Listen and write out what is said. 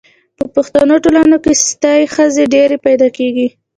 په پښتنو ټولنو کي ستۍ ښځي ډیري پیدا کیږي